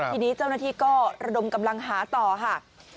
ทีนี้เจ้าหน้าที่ก็ระดมกำลังหาต่อค่ะ